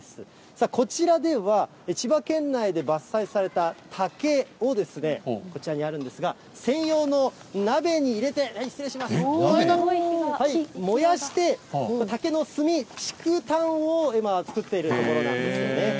さあ、こちらでは、千葉県内で伐採された竹を、こちらにあるんですが、専用の鍋に入れて、失礼します、燃やして、竹の炭、竹炭を今作っているところなんですね。